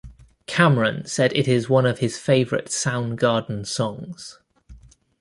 Cameron said it is one of his favorite Soundgarden songs.